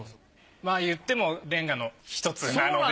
まあ言ってもレンガの１つなので。